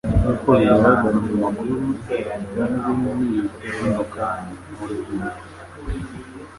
Nkuko bigaragara mu makuru itabi ntirigabanuka mu rubyiruko